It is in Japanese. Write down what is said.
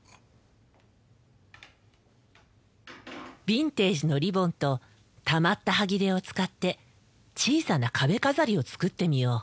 ビンテージのリボンとたまったはぎれを使って小さな壁飾りを作ってみよう。